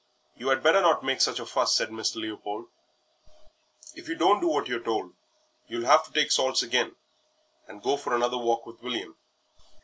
"You 'ad better not make such a fuss," said Mr. Leopold; "if you don't do what you are told, you'll have to take salts again and go for another walk with William."